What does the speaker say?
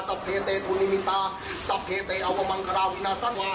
สัพเพเตะทุนิมิตาสัพเพเตะอัวมังกราววินาสังควา